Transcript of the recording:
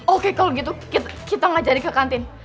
oke kalau gitu kita gak cari ke kantin